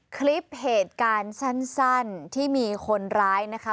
คลิปเหตุการณ์สั้นที่มีคนร้ายนะคะ